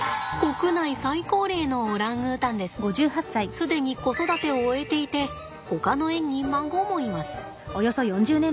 既に子育てを終えていてほかの園に孫もいます。